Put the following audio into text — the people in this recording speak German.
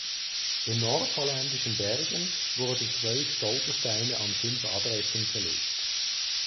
Im nordholländischen Bergen wurden zwölf Stolpersteine an fünf Adressen verlegt.